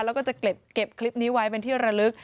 แล้วก็จะเก็บคลิปนี้ไว้เป็นที่ระลึก